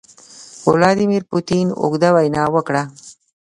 ولادیمیر پوتین اوږده وینا وکړه.